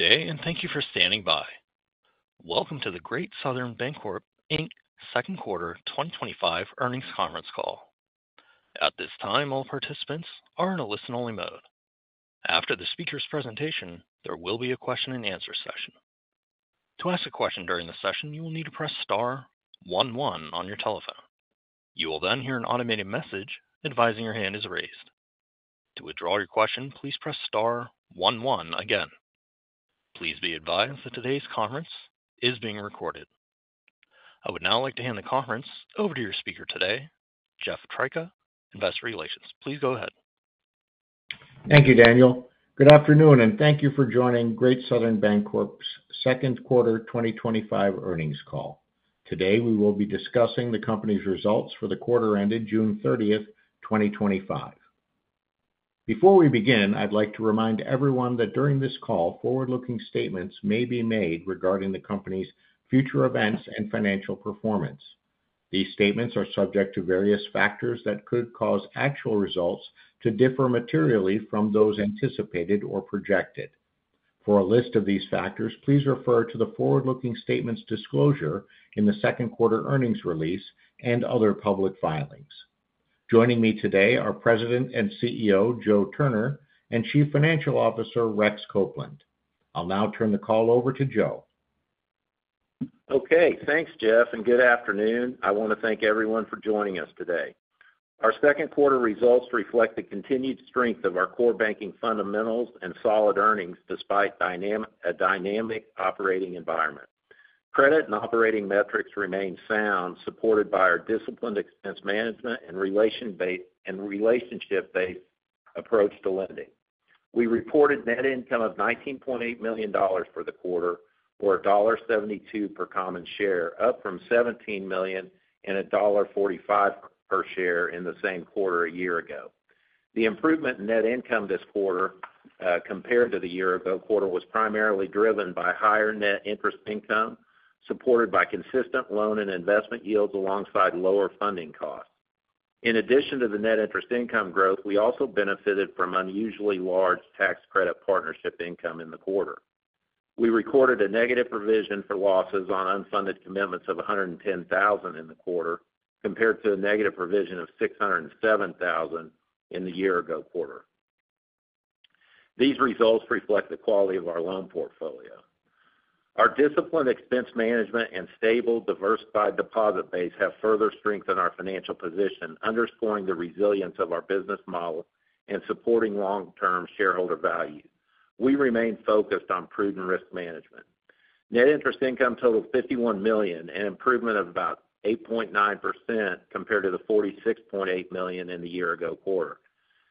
Day and thank you for standing by. Welcome to the Great Southern Bancorp, Inc second quarter 2025 earnings conference call. At this time, all participants are in a listen-only mode. After the speaker's presentation, there will be a question and answer session. To ask a question during the session, you will need to press star one one on your telephone. You will then hear an automated message advising your hand is raised. To withdraw your question, please press star one one again. Please be advised that today's conference is being recorded. I would now like to hand the conference over to your speaker today, Jeff Tryka, Investor Relations. Please go ahead. Thank you, Daniel. Good afternoon and thank you for joining Great Southern Bancorp's second quarter 2025 earnings call. Today, we will be discussing the company's results for the quarter ended June 30, 2025. Before we begin, I'd like to remind everyone that during this call, forward-looking statements may be made regarding the company's future events and financial performance. These statements are subject to various factors that could cause actual results to differ materially from those anticipated or projected. For a list of these factors, please refer to the forward-looking statements disclosure in the second quarter earnings release and other public filings. Joining me today are President and CEO Joe Turner and Chief Financial Officer Rex Copeland. I'll now turn the call over to Joe. Okay, thanks, Jeff, and good afternoon. I want to thank everyone for joining us today. Our second quarter results reflect the continued strength of our core banking fundamentals and solid earnings despite a dynamic operating environment. Credit and operating metrics remain sound, supported by our disciplined expense management and relationship-based approach to lending. We reported net income of $19.8 million for the quarter, or $1.72 per common share, up from $17 million and $1.45 per share in the same quarter a year ago. The improvement in net income this quarter, compared to the year ago quarter, was primarily driven by higher net interest income, supported by consistent loan and investment yields alongside lower funding costs. In addition to the net interest income growth, we also benefited from unusually large tax credit partnership income in the quarter. We recorded a negative provision for losses on unfunded commitments of $110,000 in the quarter, compared to a negative provision of $607,000 in the year ago quarter. These results reflect the quality of our loan portfolio. Our disciplined expense management and stable, diversified deposit base have further strengthened our financial position, underscoring the resilience of our business model and supporting long-term shareholder value. We remain focused on prudent risk management. Net interest income totaled $51 million and improved to about 8.9% compared to the $46.8 million in the year ago quarter.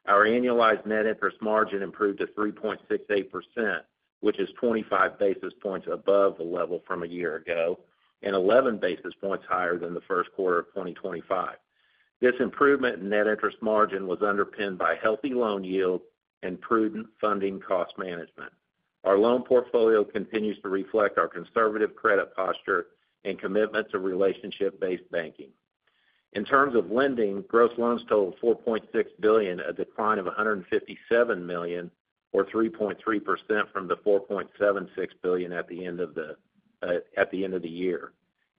Our annualized net interest margin improved to 3.68%, which is 25 basis points above the level from a year ago and 11 basis points higher than the first quarter of 2025. This improvement in net interest margin was underpinned by healthy loan yield and prudent funding cost management. Our loan portfolio continues to reflect our conservative credit posture and commitment to relationship-based banking. In terms of lending, gross loans totaled $4.6 billion, a decline of $157 million, or 3.3% from the $4.76 billion at the end of the year.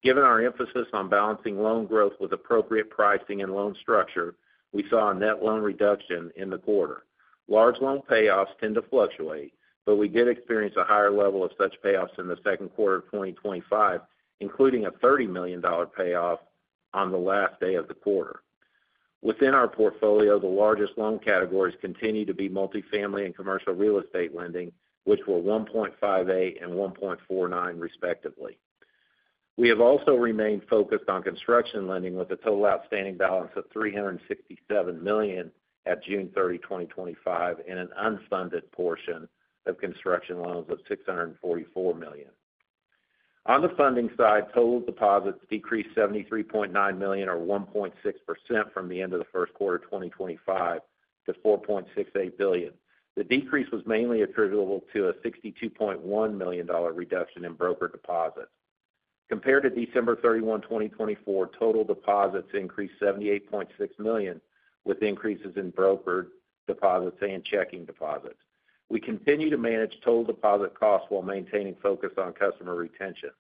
Given our emphasis on balancing loan growth with appropriate pricing and loan structure, we saw a net loan reduction in the quarter. Large loan payoffs tend to fluctuate, but we did experience a higher level of such payoffs in the second quarter of 2025, including a $30 million payoff on the last day of the quarter. Within our portfolio, the largest loan categories continue to be multifamily and commercial real estate lending, which were $1.58 billion and $1.49 billion, respectively. We have also remained focused on construction lending with a total outstanding balance of $367 million at June 30, 2025, and an unfunded portion of construction loans of $644 million. On the funding side, total deposits decreased $73.9 million, or 1.6% from the end of the first quarter of 2025, to $4.68 billion. The decrease was mainly attributable to a $62.1 million reduction in broker deposits. Compared to December 31, 2024, total deposits increased $78.6 million, with increases in broker deposits and checking deposits. We continue to manage total deposit costs while maintaining focus on customer retention.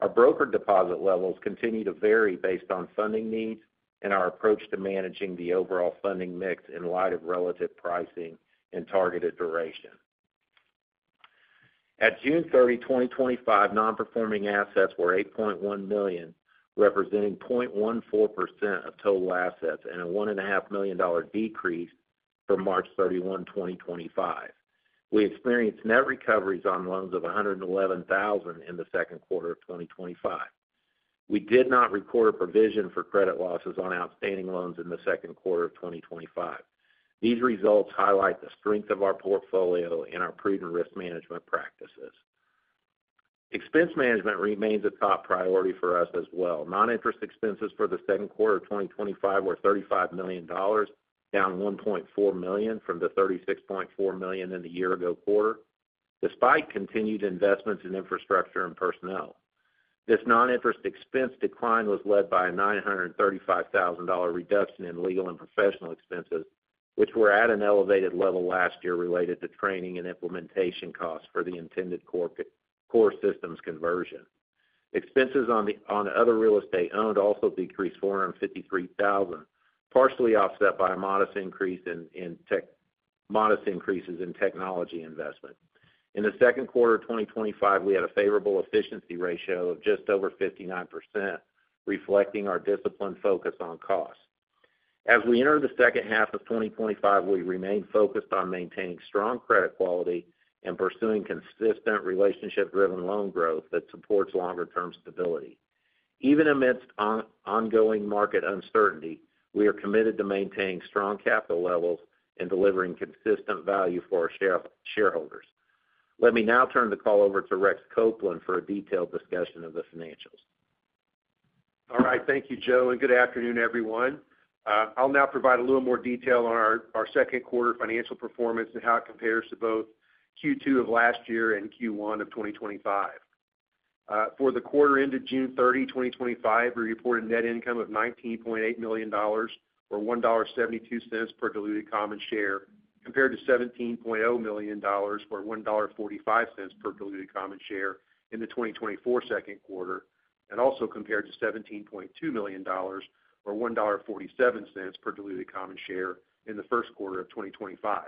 Our broker deposit levels continue to vary based on funding needs and our approach to managing the overall funding mix in light of relative pricing and targeted duration. At June 30, 2025, non-performing assets were $8.1 million, representing 0.14% of total assets and a $1.5 million decrease from March 31, 2025. We experienced net recoveries on loans of $111,000 in the second quarter of 2025. We did not record a provision for credit losses on outstanding loans in the second quarter of 2025. These results highlight the strength of our portfolio and our prudent risk management practices. Expense management remains a top priority for us as well. Non-interest expenses for the second quarter of 2025 were $35 million, down $1.4 million from the $36.4 million in the year ago quarter, despite continued investments in infrastructure and personnel. This non-interest expense decline was led by a $935,000 reduction in legal and professional expenses, which were at an elevated level last year related to training and implementation costs for the intended core systems conversion. Expenses on the other real estate owned also decreased $453,000, partially offset by a modest increase in technology investment. In the second quarter of 2025, we had a favorable efficiency ratio of just over 59%, reflecting our disciplined focus on costs. As we enter the second half of 2025, we remain focused on maintaining strong credit quality and pursuing consistent relationship-driven loan growth that supports longer-term stability. Even amidst ongoing market uncertainty, we are committed to maintaining strong capital levels and delivering consistent value for our shareholders. Let me now turn the call over to Rex Copeland for a detailed discussion of the financials. All right, thank you, Joe, and good afternoon, everyone. I'll now provide a little more detail on our second quarter financial performance and how it compares to both Q2 of last year and Q1 of 2025. For the quarter ended June 30, 2025, we reported net income of $19.8 million, or $1.72 per diluted common share, compared to $17.0 million, or $1.45 per diluted common share in the 2024 second quarter, and also compared to $17.2 million, or $1.47 per diluted common share in the first quarter of 2025.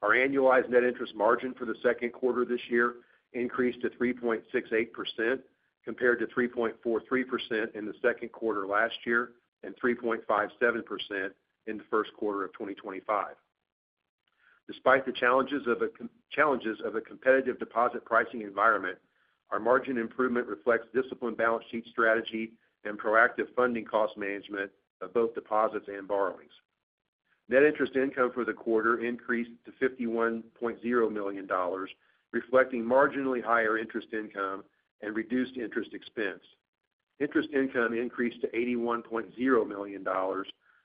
Our annualized net interest margin for the second quarter of this year increased to 3.68%, compared to 3.43% in the second quarter last year and 3.57% in the first quarter of 2025. Despite the challenges of a competitive deposit pricing environment, our margin improvement reflects disciplined balance sheet strategy and proactive funding cost management of both deposits and borrowings. Net interest income for the quarter increased to $51.0 million, reflecting marginally higher interest income and reduced interest expense. Interest income increased to $81.0 million,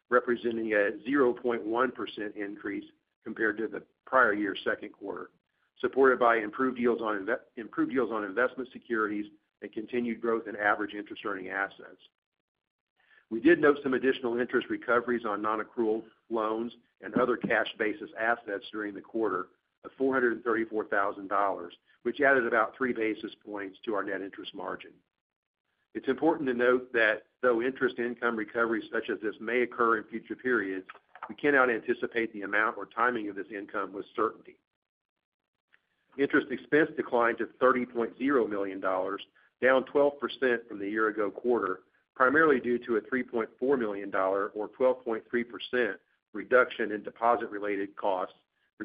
representing a 0.1% increase compared to the prior year's second quarter, supported by improved yields on investment securities and continued growth in average interest-earning assets. We did note some additional interest recoveries on non-accrual loans and other cash-basis assets during the quarter of $434,000, which added about three basis points to our net interest margin. It's important to note that though interest income recoveries such as this may occur in future periods, we cannot anticipate the amount or timing of this income with certainty. Interest expense declined to $30.0 million, down 12% from the year ago quarter, primarily due to a $3.4 million or 12.3% reduction in deposit-related costs,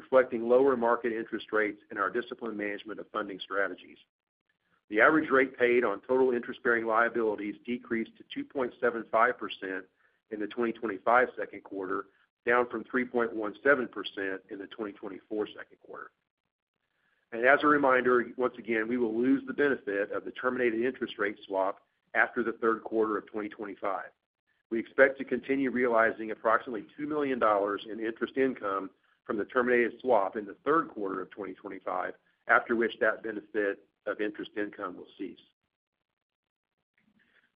reflecting lower market interest rates and our disciplined management of funding strategies. The average rate paid on total interest-bearing liabilities decreased to 2.75% in the 2025 second quarter, down from 3.17% in the 2024 second quarter. As a reminder, once again, we will lose the benefit of the terminated interest rate swap after the third quarter of 2025. We expect to continue realizing approximately $2 million in interest income from the terminated swap in the third quarter of 2025, after which that benefit of interest income will cease.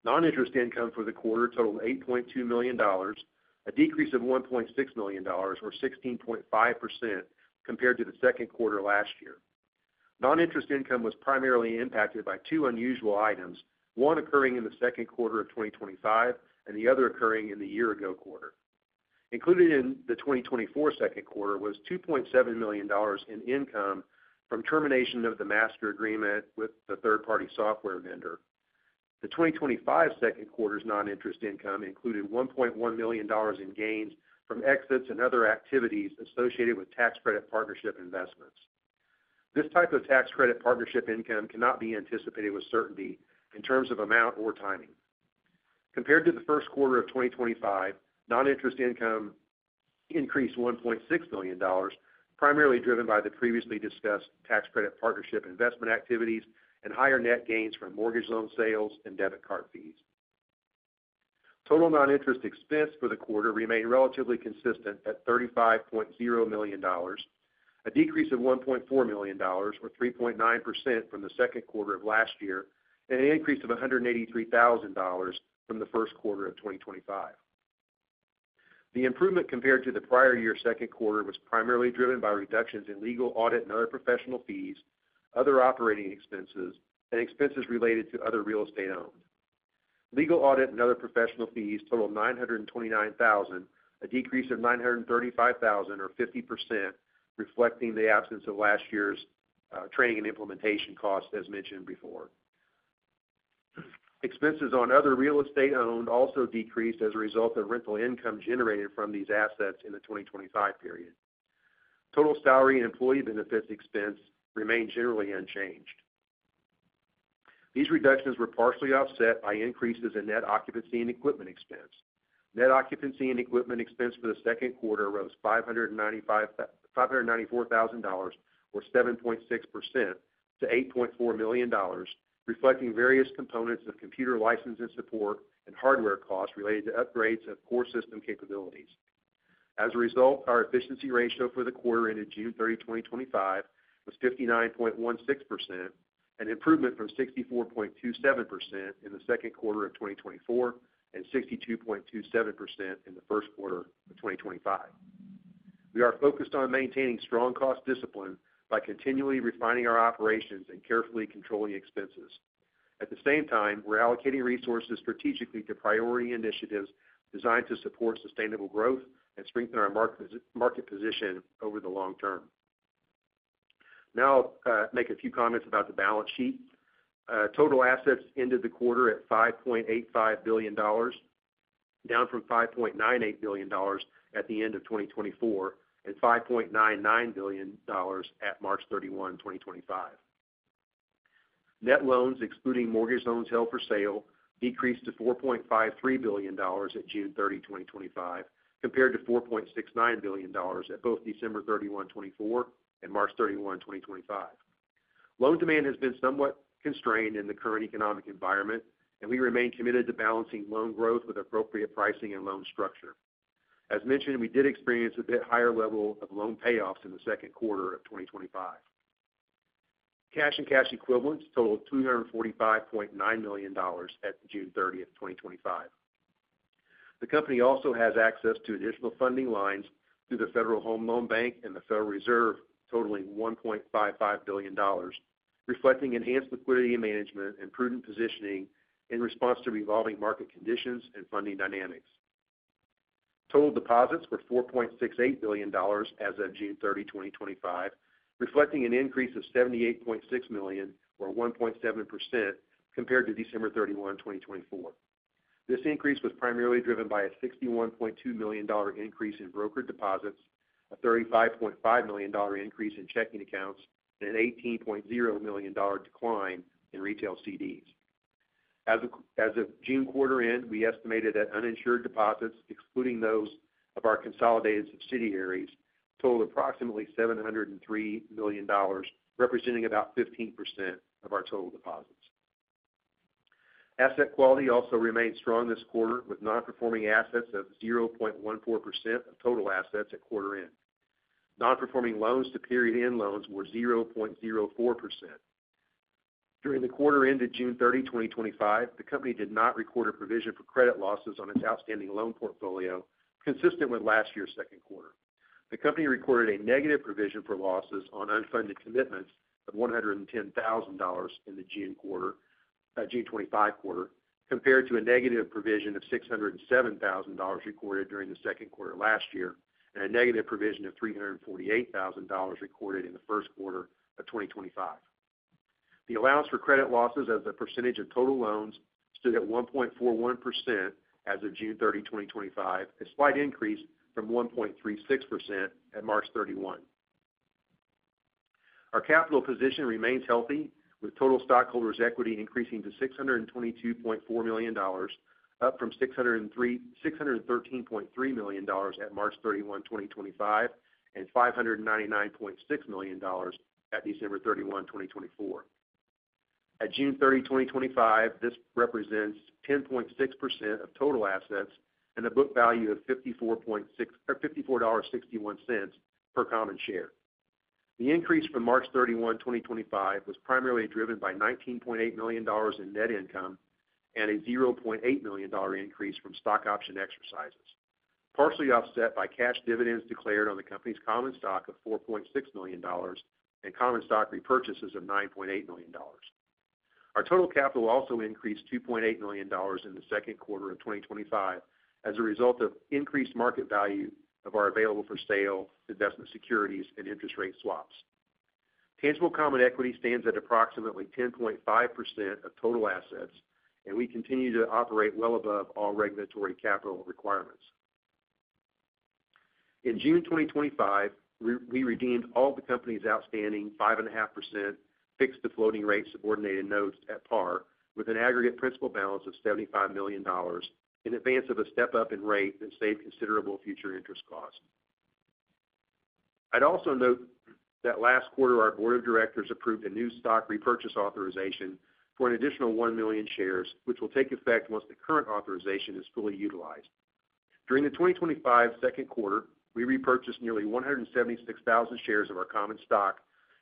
Non-interest income for the quarter totaled $8.2 million, a decrease of $1.6 million, or 16.5% compared to the second quarter last year. Non-interest income was primarily impacted by two unusual items, one occurring in the second quarter of 2025 and the other occurring in the year ago quarter. Included in the 2024 second quarter was $2.7 million in income from termination of the master agreement with the third-party software vendor. The 2025 second quarter's non-interest income included $1.1 million in gains from exits and other activities associated with tax credit partnership investments. This type of tax credit partnership income cannot be anticipated with certainty in terms of amount or timing. Compared to the first quarter of 2025, non-interest income increased $1.6 million, primarily driven by the previously discussed tax credit partnership investment activities and higher net gains from mortgage loan sales and debit card fees. Total non-interest expense for the quarter remained relatively consistent at $35.0 million, a decrease of $1.4 million, or 3.9% from the second quarter of last year, and an increase of $183,000 from the first quarter of 2025. The improvement compared to the prior year's second quarter was primarily driven by reductions in legal, audit, and other professional fees, other operating expenses, and expenses related to other real estate owned. Legal, audit, and other professional fees totaled $929,000, a decrease of $935,000 or 50%, reflecting the absence of last year's training and implementation costs, as mentioned before. Expenses on other real estate owned also decreased as a result of rental income generated from these assets in the 2025 period. Total salary and employee benefits expense remained generally unchanged. These reductions were partially offset by increases in net occupancy and equipment expense. Net occupancy and equipment expense for the second quarter rose $594,000, or 7.6% to $8.4 million, reflecting various components of computer license and support and hardware costs related to upgrades of core system capabilities. As a result, our efficiency ratio for the quarter ended June 30, 2025, was 59.16%, an improvement from 64.27% in the second quarter of 2024 and 62.27% in the first quarter of 2025. We are focused on maintaining strong cost discipline by continually refining our operations and carefully controlling expenses. At the same time, we're allocating resources strategically to priority initiatives designed to support sustainable growth and strengthen our market position over the long term. Now I'll make a few comments about the balance sheet. Total assets ended the quarter at $5.85 billion, down from $5.98 billion at the end of 2024 and $5.99 billion at March 31, 2025. Net loans, excluding mortgage loans held for sale, decreased to $4.53 billion at June 30, 2025, compared to $4.69 billion at both December 31, 2024, and March 31, 2025. Loan demand has been somewhat constrained in the current economic environment, and we remain committed to balancing loan growth with appropriate pricing and loan structure. As mentioned, we did experience a bit higher level of loan payoffs in the second quarter of 2025. Cash and cash equivalents totaled $245.9 million at June 30, 2025. The company also has access to additional funding lines through the Federal Home Loan Bank and the Federal Reserve, totaling $1.55 billion, reflecting enhanced liquidity management and prudent positioning in response to evolving market conditions and funding dynamics. Total deposits were $4.68 billion as of June 30, 2025, reflecting an increase of $78.6 million, or 1.7% compared to December 31, 2024. This increase was primarily driven by a $61.2 million increase in broker deposits, a $35.5 million increase in checking accounts, and an $18.0 million decline in retail CDs. As of June quarter end, we estimated that uninsured deposits, excluding those of our consolidated subsidiaries, totaled approximately $703 million, representing about 15% of our total deposits. Asset quality also remained strong this quarter, with non-performing assets of 0.14% of total assets at quarter end. Non-performing loans to period end loans were 0.04%. During the quarter ended June 30, 2025, the company did not record a provision for credit losses on its outstanding loan portfolio, consistent with last year's second quarter. The company recorded a negative provision for losses on unfunded commitments of $110,000 in the June 2025 quarter, compared to a negative provision of $607,000 recorded during the second quarter last year and a negative provision of $348,000 recorded in the first quarter of 2025. The allowance for credit losses as a percentage of total loans stood at 1.41% as of June 30, 2025, a slight increase from 1.36% at March 31. Our capital position remains healthy, with total stockholders' equity increasing to $622.4 million, up from $613.3 million at March 31, 2025, and $599.6 million at December 31, 2024. At June 30, 2025, this represents 10.6% of total assets and a book value of $54.61 per common share. The increase from March 31, 2025, was primarily driven by $19.8 million in net income and a $0.8 million increase from stock option exercises, partially offset by cash dividends declared on the company's common stock of $4.6 million and common stock repurchases of $9.8 million. Our total capital also increased $2.8 million in the second quarter of 2025 as a result of increased market value of our available for sale investment securities and interest rate swaps. Tangible common equity stands at approximately 10.5% of total assets, and we continue to operate well above all regulatory capital requirements. In June 2025, we redeemed all of the company's outstanding 5.5% fixed-to-floating rate subordinated notes at par, with an aggregate principal balance of $75 million in advance of a step-up in rate that saved considerable future interest costs. I'd also note that last quarter, our Board of Directors approved a new stock repurchase authorization for an additional 1 million shares, which will take effect once the current authorization is fully utilized. During the 2025 second quarter, we repurchased nearly 176,000 shares of our common stock,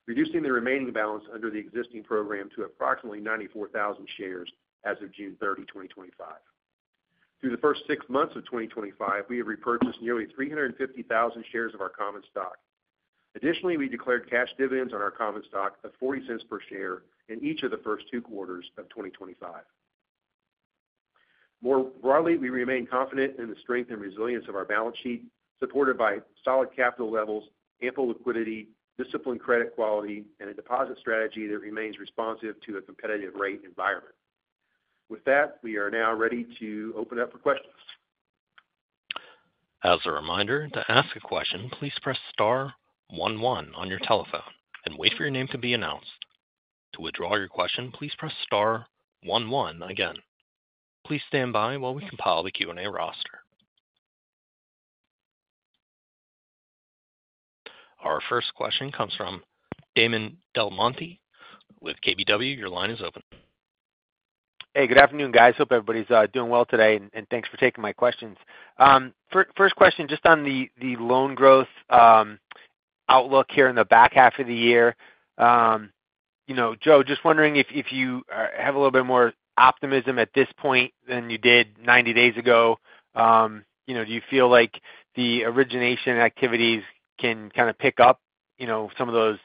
reducing the remaining balance under the existing program to approximately 94,000 shares as of June 30, 2025. Through the first six months of 2025, we have repurchased nearly 350,000 shares of our common stock. Additionally, we declared cash dividends on our common stock of $0.40 per share in each of the first two quarters of 2025. More broadly, we remain confident in the strength and resilience of our balance sheet, supported by solid capital levels, ample liquidity, disciplined credit quality, and a deposit strategy that remains responsive to a competitive rate environment. With that, we are now ready to open up for questions. As a reminder, to ask a question, please press star one one on your telephone and wait for your name to be announced. To withdraw your question, please press star one one again. Please stand by while we compile the Q&A roster. Our first question comes from Damon DelMonte with KBW. Your line is open. Hey, good afternoon, guys. Hope everybody's doing well today, and thanks for taking my questions. First question, just on the loan growth outlook here in the back half of the year. You know, Joe, just wondering if you have a little bit more optimism at this point than you did 90 days ago. You know, do you feel like the origination activities can kind of pick up, you know, some of those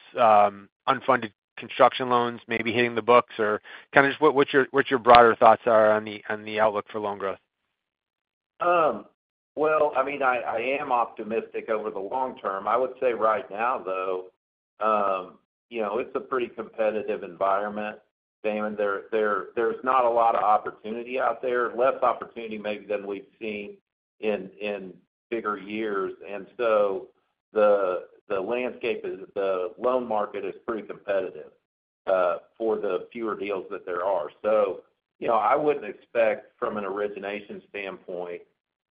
unfunded construction loans maybe hitting the books, or kind of just what your broader thoughts are on the outlook for loan growth? I am optimistic over the long term. I would say right now, though, you know, it's a pretty competitive environment. Damon, there's not a lot of opportunity out there, less opportunity maybe than we've seen in bigger years. The landscape is the loan market is pretty competitive for the fewer deals that there are. You know, I wouldn't expect from an origination standpoint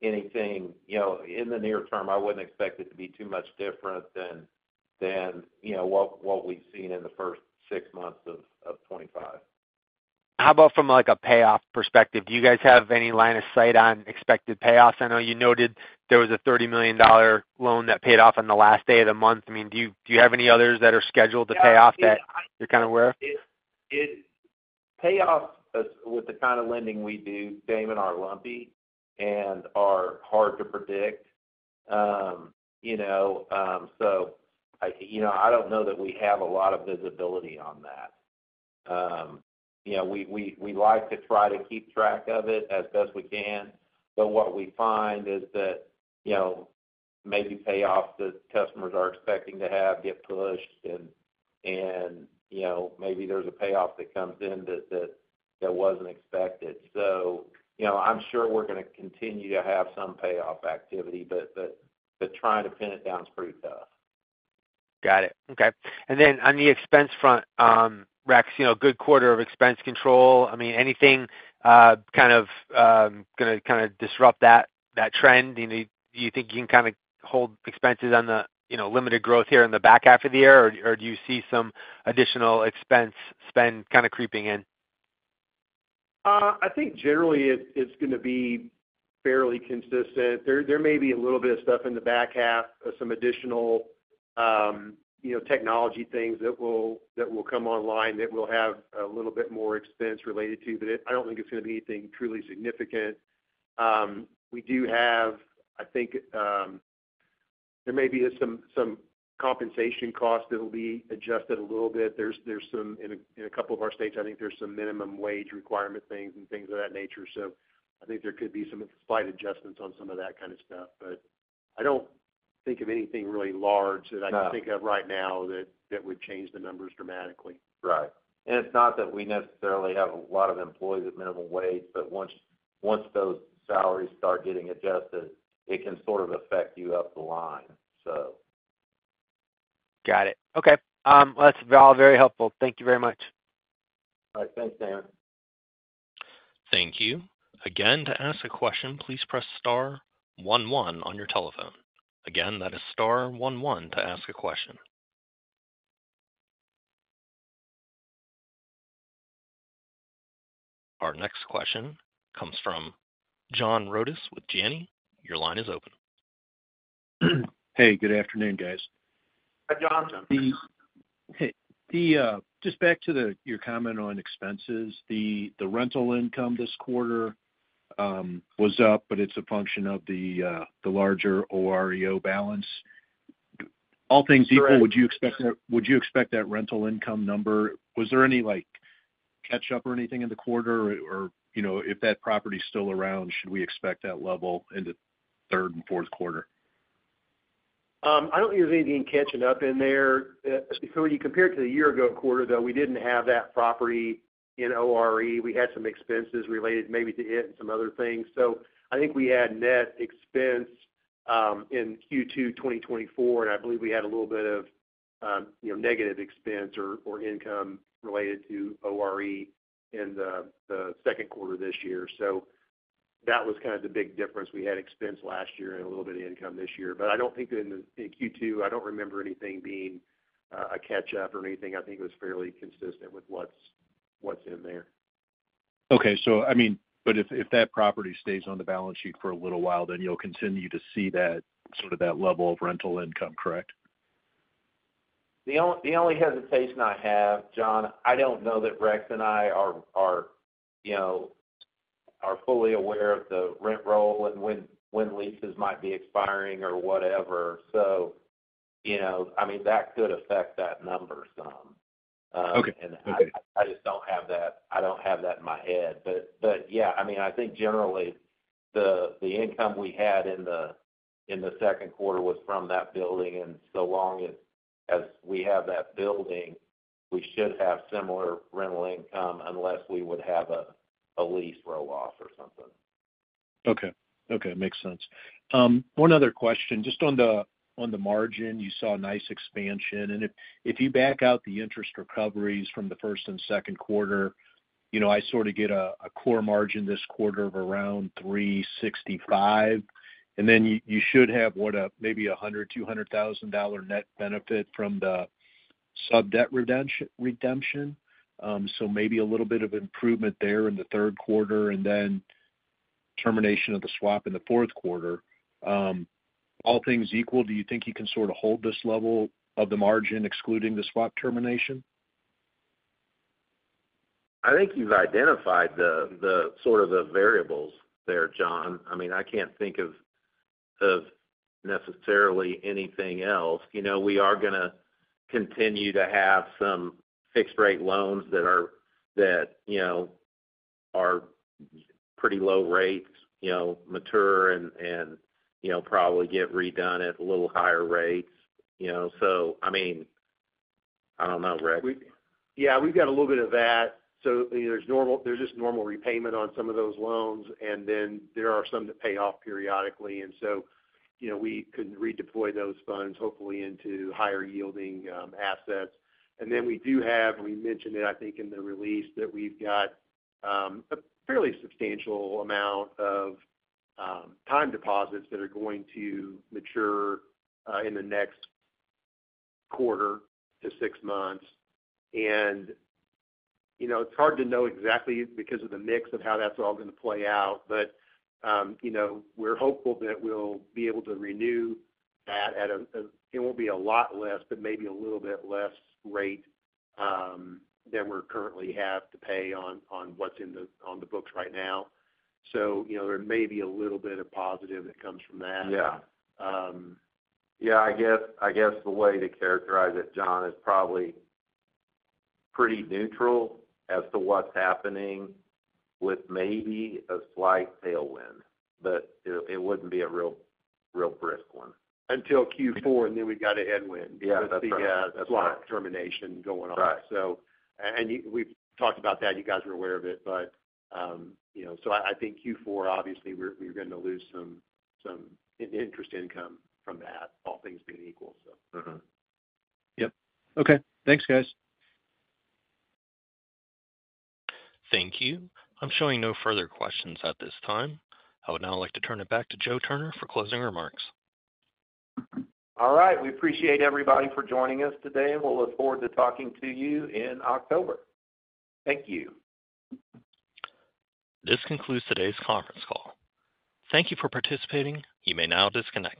anything, you know, in the near term. I wouldn't expect it to be too much different than, you know, what we've seen in the first six months of 2025. How about from a payoff perspective? Do you guys have any line of sight on expected payoffs? I know you noted there was a $30 million loan that paid off on the last day of the month. Do you have any others that are scheduled to pay off that you're kind of aware of? Payoffs with the kind of lending we do, Damon, are lumpy and are hard to predict. I don't know that we have a lot of visibility on that. We like to try to keep track of it as best we can. What we find is that maybe payoffs that customers are expecting to have get pushed, and maybe there's a payoff that comes in that wasn't expected. I'm sure we're going to continue to have some payoff activity, but trying to pin it down is pretty tough. Got it. Okay. On the expense front, Rex, you know, good quarter of expense control. I mean, anything going to disrupt that trend? You know, do you think you can hold expenses on the limited growth here in the back half of the year, or do you see some additional expense spend creeping in? I think generally, it's going to be fairly consistent. There may be a little bit of stuff in the back half, some additional technology things that will come online that will have a little bit more expense related to it. I don't think it's going to be anything truly significant. We do have, I think, there may be some compensation costs that will be adjusted a little bit. There are some, in a couple of our states, I think there are some minimum wage requirement things and things of that nature. I think there could be some slight adjustments on some of that kind of stuff. I don't think of anything really large that I can think of right now that would change the numbers dramatically. Right. It's not that we necessarily have a lot of employees at minimum wage, but once those salaries start getting adjusted, it can affect you up the line. Got it. Okay, that's all very helpful. Thank you very much. All right. Thanks, Damon. Thank you. Again, to ask a question, please press star 11 on your telephone. Again, that is star 11 to ask a question. Our next question comes from John Rodis with Janney. Your line is open. Hey, good afternoon, guys. Hi, John. Hey, just back to your comment on expenses, the rental income this quarter was up, but it's a function of the larger OREO balance. All things equal, would you expect that rental income number, was there any catch-up or anything in the quarter, or if that property is still around, should we expect that level in the third and fourth quarter? I don't think there's anything catching up in there. When you compare it to the year-ago quarter, though, we didn't have that property in OREO. We had some expenses related maybe to it and some other things. I think we had net expense in Q2 2024, and I believe we had a little bit of, you know, negative expense or income related to OREO in the second quarter of this year. That was kind of the big difference. We had expense last year and a little bit of income this year. I don't think that in Q2, I don't remember anything being a catch-up or anything. I think it was fairly consistent with what's in there. If that property stays on the balance sheet for a little while, then you'll continue to see that level of rental income, correct? The only hesitation I have, John, I don't know that Rex and I are fully aware of the rent roll and when leases might be expiring or whatever. That could affect that number some. Okay. I don't have that in my head. Yeah, I mean, I think generally the income we had in the second quarter was from that building. As long as we have that building, we should have similar rental income unless we would have a lease roll-off or something. Okay. Makes sense. One other question, just on the margin, you saw a nice expansion. If you back out the interest recoveries from the first and second quarter, I sort of get a core margin this quarter of around 3.65%. You should have, what, maybe $100,000, $200,000 net benefit from the sub-debt redemption, so maybe a little bit of improvement there in the third quarter and then termination of the swap in the fourth quarter. All things equal, do you think you can sort of hold this level of the margin excluding the swap termination? I think you've identified the variables there, John. I mean, I can't think of necessarily anything else. You know, we are going to continue to have some fixed-rate loans that are, you know, are pretty low rates, mature and probably get redone at a little higher rates. I don't know, Rex. Yeah, we've got a little bit of that. There's just normal repayment on some of those loans, and then there are some that pay off periodically. We can redeploy those funds, hopefully, into higher-yielding assets. We do have, and we mentioned it, I think, in the release, a fairly substantial amount of time deposits that are going to mature in the next quarter to six months. It's hard to know exactly because of the mix of how that's all going to play out. We're hopeful that we'll be able to renew that at a, it won't be a lot less, but maybe a little bit less rate than we currently have to pay on what's on the books right now. There may be a little bit of positive that comes from that. Yeah, I guess the way to characterize it, John, is probably pretty neutral as to what's happening with maybe a slight tailwind, but it wouldn't be a real, real brisk one. Until Q4, we got a headwind. Yeah, that's the guess. With the swap termination going on. Right. We’ve talked about that, and you guys were aware of it, but I think Q4, obviously, we're going to lose some interest income from that, all things being equal. Yep. Okay, thanks, guys. Thank you. I'm showing no further questions at this time. I would now like to turn it back to Joseph Turner for closing remarks. All right. We appreciate everybody for joining us today, and we'll look forward to talking to you in October. Thank you. This concludes today's conference call. Thank you for participating. You may now disconnect.